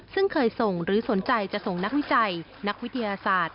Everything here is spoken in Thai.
ซึ่งเคยส่งหรือสนใจจะส่งนักวิจัยนักวิทยาศาสตร์